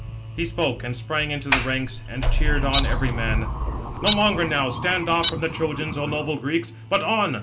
He spoke, and sprang into the ranks, and cheered on every man: "No longer now stand off from the Trojans, O noble Greeks, but on!